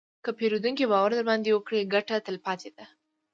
که پیرودونکی باور درباندې وکړي، ګټه تلپاتې ده.